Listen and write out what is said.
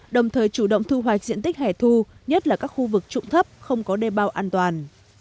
đồng thời chủ động thu hoạch diện tích hẻ thu nhất là các khu vực trụng thấp không có đe bao an toàn